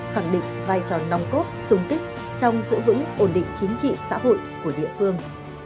khẳng định vai trò nòng cốt sung kích trong giữ vững ổn định chính trị xã hội của địa phương